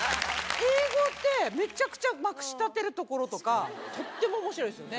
英語でめちゃくちゃまくし立てるところとかとっても面白いですよね